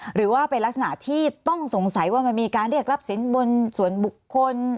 หรือว่าเป็นลักษณะที่ต้องสงสัยว่ามันมีการเรียกรับสินบนส่วนบุคคล